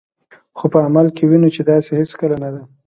خو په عمل کې وینو چې داسې هیڅکله نه ده.